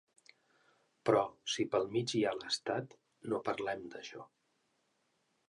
Però si pel mig hi ha l’estat no parlem d’això.